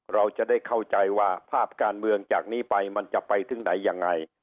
เราจะได้เข้าใจว่าภาพการเมืองจากนี้ไปมันจะไปถึงไหนยังไง